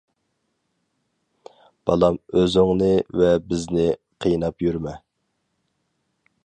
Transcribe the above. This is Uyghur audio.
بالام، ئۆزۈڭنى ۋە بىزنى قىيناپ يۈرمە.